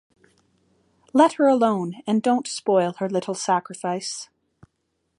Let her alone, and don't spoil her little sacrifice.